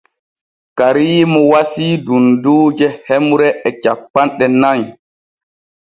Kariimu wasii dunduuje hemre e cappanɗe nay.